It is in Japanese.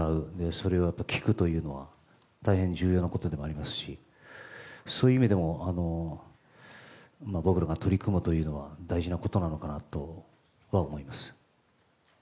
それを聞くというのは大変、重要なことでもありますしそういう意味でも僕らが取り組むというのは大事なことなのかなとは思います。